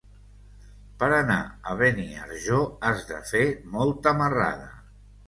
Per anar a Beniarjó has de fer molta marrada.